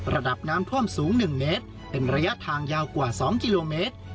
ระดับน้ำท่วมสูง๑เมตรเป็นระยะทางยาวกว่า๒กิโลเมตร